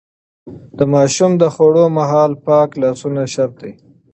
د ماشوم د خوړو مهال پاک لاسونه شرط دي.